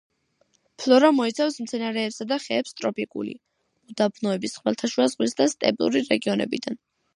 ფლორა მოიცავს მცენარეებსა და ხეებს ტროპიკული, უდაბნოების, ხმელთაშუა ზღვის და სტეპური რეგიონებიდან.